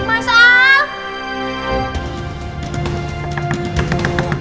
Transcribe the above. mas al buka